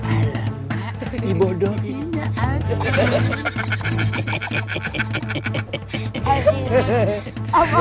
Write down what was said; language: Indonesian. alamak dibodohinnya ampam